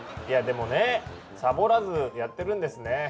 いやでもねさぼらずやってるんですね。